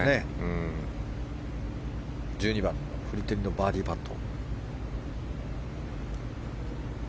１２番のフリテリのバーディーパット。